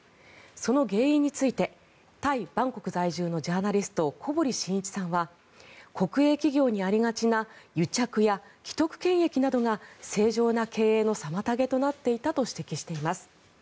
その原因についてタイ・バンコク在住のジャーナリスト、小堀晋一さんは国営企業にありがちな癒着や既得権益などが正常な経営の妨げとなっていたと指摘しています。